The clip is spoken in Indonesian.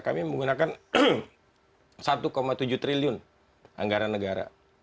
kami menggunakan satu tujuh triliun anggaran negara